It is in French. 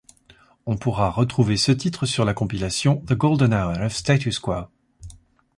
On pourra retrouver ce titre sur la compilation The Golden Hour of Status Quo.